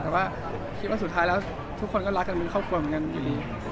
แต่ว่าคิดว่าสุดท้ายแล้วทุกคนก็รักกันเป็นครอบครัวเหมือนกันอยู่ดี